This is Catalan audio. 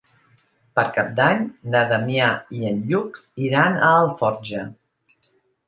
Per Cap d'Any na Damià i en Lluc iran a Alforja.